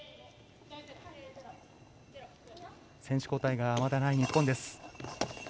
選手交代がまだない日本です。